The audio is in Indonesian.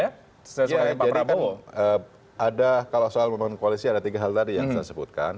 jadi kalau soal membangun koalisi ada tiga hal tadi yang saya sebutkan